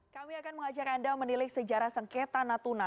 kami akan mengajak anda menilik sejarah sengketa natuna